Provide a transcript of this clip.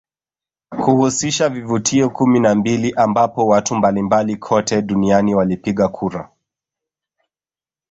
Kuhusisha vivutio kumi na mbili ambapo watu mbalimbali kote duniani walipiga kura